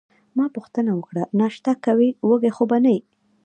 ما پوښتنه وکړه: ناشته کوې، وږې خو به نه یې؟